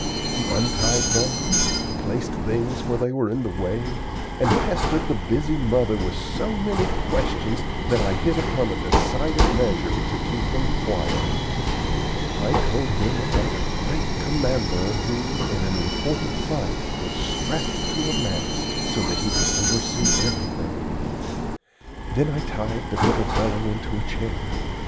He untied bundles, placed things where they were in the way, and pestered the busy mother with so many questions, that I hit upon a decided measure to keep him quiet. I told him about a great commander who, in an important fight, was strapped to a mast, so that he could oversee everything. Then I tied the little fellow into a chair.